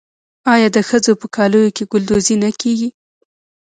آیا د ښځو په کالیو کې ګلدوزي نه کیږي؟